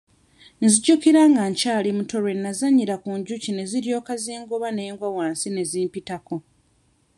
Nzijukira nga nkyali muto lwe nazannyira ku njuki ne ziryoka zingoba ne ngwa wansi ne zimpitako.